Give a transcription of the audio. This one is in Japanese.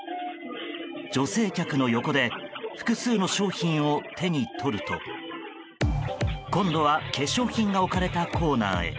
女性客の横で複数の商品を手に取ると今度は化粧品が置かれたコーナーへ。